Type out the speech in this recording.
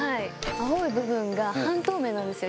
青い部分が半透明なんですよ